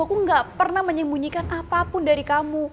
aku gak pernah menyembunyikan apapun dari kamu